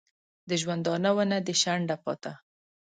د ژوندانه ونه دي شنډه پاته